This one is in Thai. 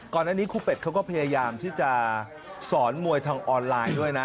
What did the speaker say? อันนี้ครูเป็ดเขาก็พยายามที่จะสอนมวยทางออนไลน์ด้วยนะ